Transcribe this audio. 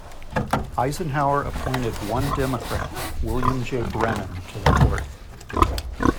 Eisenhower appointed one Democrat, William J. Brennan, to the Court.